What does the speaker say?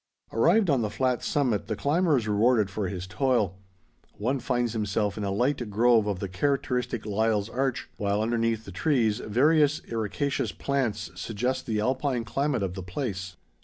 Arrived on the flat summit, the climber is rewarded for his toil. One finds himself in a light grove of the characteristic Lyall's larch, while underneath the trees, various ericaceous plants suggest the Alpine climate of the place.